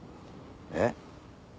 えっ？